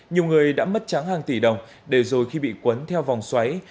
nhiều người đã mất tráng hàng tỷ đồng để rồi khi bị quấn theo vòng xoáy